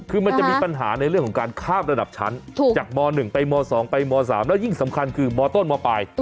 คือมันจะมีปัญหาในเรื่องของการข้ามระดับชั้นจากม๑ไปม๒ไปม๓แล้วยิ่งสำคัญคือมต้นมปลาย